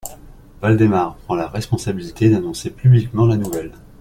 Waldemar prend la responsabilité d'annoncer publiquement la nouvelle.